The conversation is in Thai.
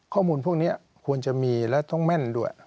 ข้อมูลพวกนี้ควรจะมีและต้องแม่นด้วย